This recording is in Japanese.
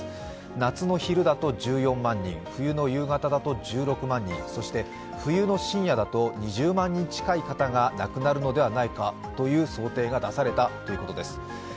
夏の昼だと１４万人冬の夕方だと１６万人、そして冬の深夜だと２０万人近い方が亡くなるのではないかという想定が出されたということです。